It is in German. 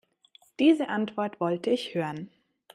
Diese Antwort wollte ich hören.